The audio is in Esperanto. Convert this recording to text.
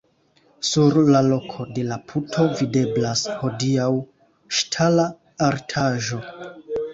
Sur la loko de la puto videblas hodiaŭ ŝtala artaĵo.